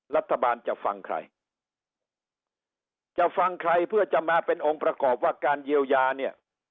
รัฐบาลจะฟังใครจะฟังใครเพื่อจะมาเป็นองค์ประกอบว่าการเยียวยาเนี่ย